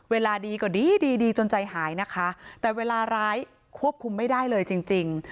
เวลาดีก็ดีดีจนใจหายนะคะแต่เวลาร้ายควบคุมไม่ได้เลยจริงจริง